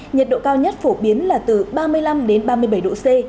nhiệt độ cao nhất phổ biến là từ ba mươi năm đến ba mươi bảy độ c